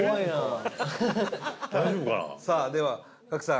伊達：さあ、では、賀来さん。